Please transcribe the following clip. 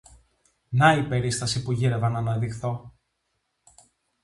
Να η περίσταση που γύρευα ν' αναδειχθώ!